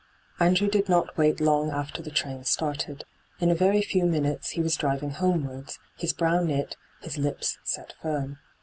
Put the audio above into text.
Andrew did not wait long after the train started. In a very few minutes he was driving homewards, his brow knit, his lips set firm.